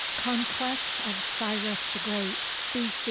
CONQUESTS OF CYRUS THE GREAT B.